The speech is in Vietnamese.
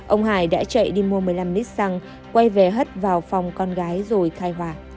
ông hải đã chạy đi mua một mươi năm nít xăng quay về hất vào phòng con gái rồi khai hỏa